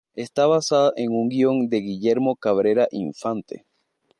Está basada en un guion de Guillermo Cabrera Infante.